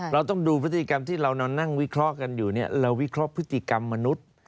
เราต้องดูพฤติกรรมที่เรานอนนั่งวิเคราะห์กันอยู่เนี่ยเราวิเคราะห์พฤติกรรมมนุษย์